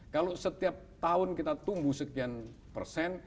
kalau setiap tahun kita tumbuh sekian persen